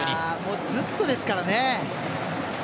ずっとですからね。